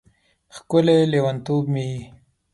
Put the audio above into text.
ښکلی لیونتوب مې یې